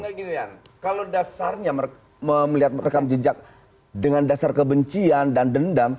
kalau dasarnya melihat rekam jejak dengan dasar kebencian dan dendam